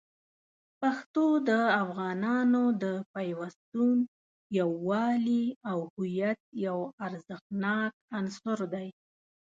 پښتو د افغانانو د پیوستون، یووالي، او هویت یو ارزښتناک عنصر دی.